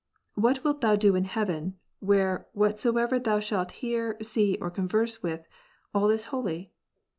What wilt thou dp in heaven, where whatsoever thou shalt hear, see, or converse with, all is holy?